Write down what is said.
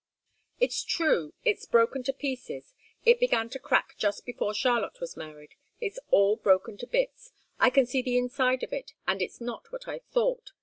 "It's true. It's broken to pieces. It began to crack just before Charlotte was married. It's all broken to bits. I can see the inside of it, and it's not what I thought.